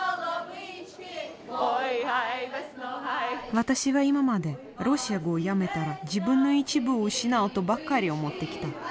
私は今までロシア語をやめたら自分の一部を失うとばかり思ってきた。